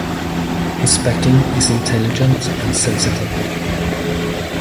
His backing is intelligent and sensitive.